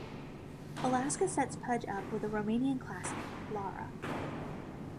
Alaska sets Pudge up with a Romanian classmate, Lara.